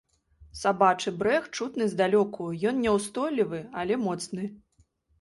Сабачы брэх чутны здалёку, ён няўстойлівы, але моцны.